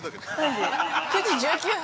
９時１９分。